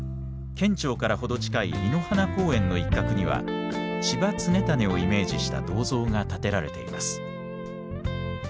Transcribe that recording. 県庁から程近い亥鼻公園の一角には千葉常胤をイメージした銅像が建てられています。